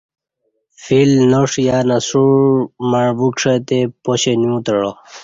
فیل ناݜ یا نسوع مع وکݜے تہ پاشہ نیو تعہ